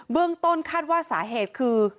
เบื้องต้นคาดว่าสาเหตุคือ